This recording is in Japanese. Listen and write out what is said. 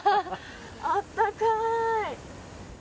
あったかい。